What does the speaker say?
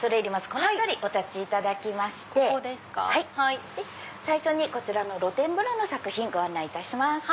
この辺りお立ちいただきまして最初にこちらの露天風呂の作品ご案内いたします。